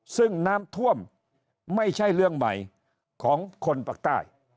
ซึ่งน้ำท่วมไม่ใช่เรื่องใหม่ของคนปากใต้